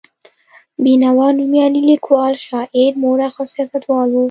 بېنوا نومیالی لیکوال، شاعر، مورخ او سیاستوال و.